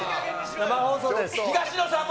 生放送ですよ、今。